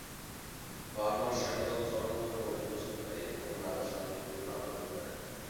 বার্মার সেনাদল চরমভাবে পর্যুদস্ত হয় এবং রাজা শান্তির জন্য আবেদন করেন।